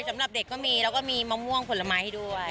สำหรับเด็กก็มีแล้วก็มีมะม่วงผลไม้ให้ด้วย